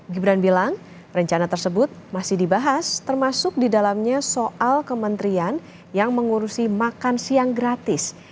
gibran bilang rencana tersebut masih dibahas termasuk di dalamnya soal kementerian yang mengurusi makan siang gratis